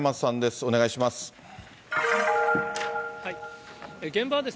お願いします。